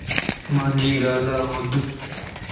مانجي ڳالهه ٻڌ